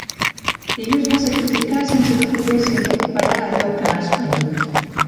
Ell es va sacrificar sense que poguessis recuperar allò que has perdut.